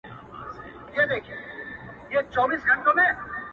ګاونډیان خپلوان در یاد کړه بس همدغه راز پریږدي دي!!!!!